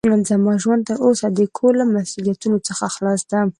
زما ژوند تر اوسه د کور له مسوؤليتونو څخه خلاص ده.